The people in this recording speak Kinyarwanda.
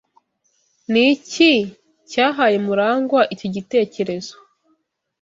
Ni iki cyahaye MuragwA icyo gitekerezo?